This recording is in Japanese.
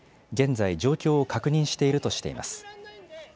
現在、状況を確認しているとしています。